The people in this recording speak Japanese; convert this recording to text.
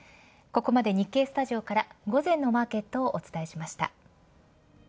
ここまで日経スタジオから午前のマーケットをお伝えしました。